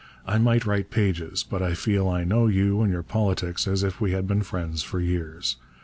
I might write pages, but I feel I know you and your politics as if we had been friends for years.